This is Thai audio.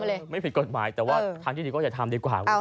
เลยไม่ผิดกฎหมายแต่ว่าทางที่ดีก็อย่าทำดีกว่า